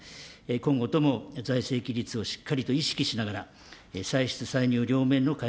今後とも、財政規律をしっかりと意識しながら、歳出歳入両面の改